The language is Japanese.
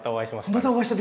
またお会いした。